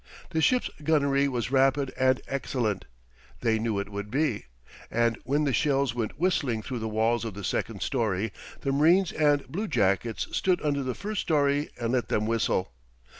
The ships' gunnery was rapid and excellent they knew it would be and when the shells went whistling through the walls of the second story, the marines and bluejackets stood under the first story and let them whistle.